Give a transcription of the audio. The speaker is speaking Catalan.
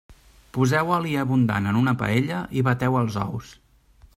Poseu oli abundant en una paella i bateu els ous.